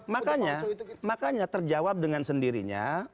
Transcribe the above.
makanya terjawab dengan sendirinya